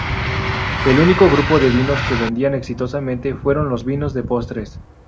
El único grupo de vinos que vendían exitosamente fueron los vinos de postres.